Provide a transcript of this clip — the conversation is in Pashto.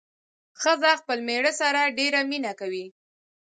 ښځه خپل مېړه سره ډېره مينه کوي